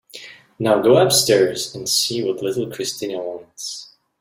Now go upstairs and see what little Christina wants.